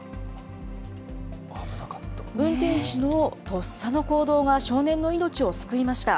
運転手のとっさの行動が少年の命を救いました。